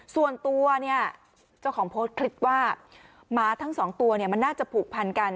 ส่วนตัวเนี่ยเจ้าของโพสต์คลิปว่าหมาทั้งสองตัวเนี่ยมันน่าจะผูกพันกัน